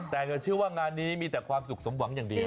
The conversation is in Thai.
แต่เชื่อว่างานนี้มีแต่ความสุขสมหวังอย่างเดียว